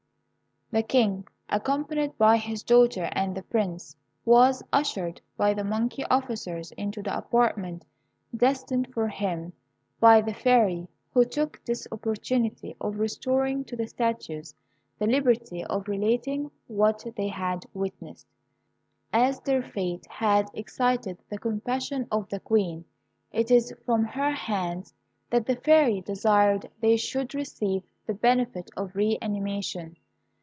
The King, accompanied by his daughter and the Prince, was ushered by the monkey officers into the apartment destined for him by the Fairy, who took this opportunity of restoring to the statues the liberty of relating what they had witnessed. As their fate had excited the compassion of the Queen, it was from her hands that the Fairy desired they should receive the benefit of re animation.